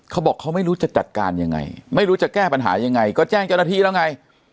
เขาบอกเขาไม่รู้จะจัดการยังไงไม่รู้จะแก้ปัญหายังไงก็แจ้งเจ้าหน้าที่แล้วไง